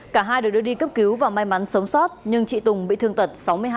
cả hai đều đưa đi cấp cứu và may mắn sống sót nhưng chị tùng bị thương tật sáu mươi hai